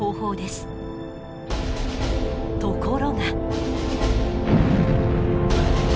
ところが。